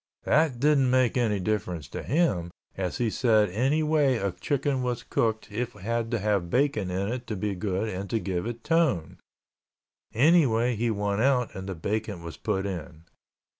That didn't make any difference to him, as he said any way a chicken was cooked it had to have bacon in it to be good and to give it tone. Anyway he won out and the bacon was put in.